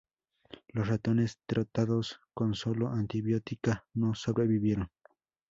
Los ratones tratados con solo antibiótica no sobrevivieron.